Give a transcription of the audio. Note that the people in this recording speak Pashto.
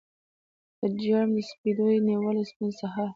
په جرم د سپېدو یې دي نیولي سپین سهار